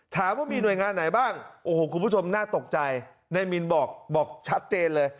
ถามว่ามีหน่วยงานไหนบ้างโอ้โหคุณผู้ชมน่าตกใจนายมินบอกบอกชัดเจนเลย